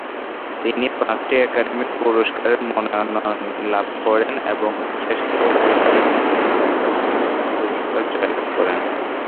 তিনি পাঁচটি একাডেমি পুরস্কারের মনোনয়ন লাভ করেন এবং শ্রেষ্ঠ অভিনেতা বিভাগে একটি পুরস্কার জয়লাভ করেন।